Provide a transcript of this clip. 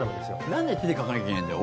なんで手で書かなきゃいけないんだよ。